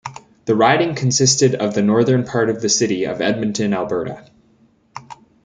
The riding consisted of the northern part of the city of Edmonton, Alberta.